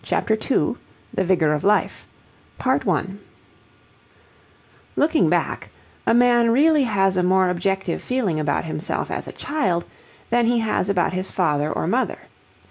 CHAPTER II THE VIGOR OF LIFE Looking back, a man really has a more objective feeling about himself as a child than he has about his father or mother.